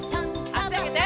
あしあげて。